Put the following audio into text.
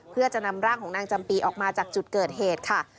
เพื่อจะนำร่างของนางจำปีออกมาจากจุดเกิดเหตุค่ะ